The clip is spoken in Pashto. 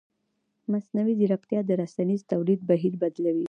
مصنوعي ځیرکتیا د رسنیز تولید بهیر بدلوي.